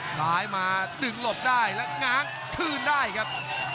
ซ้ายมาดึงหลบได้และง้างคืนได้ครับ